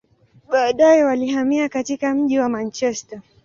Baadaye, walihamia katika mji wa Manchester.